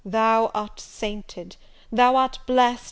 thou art sainted! thou art blessed!